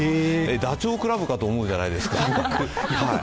ダチョウ倶楽部かと思うじゃないですか。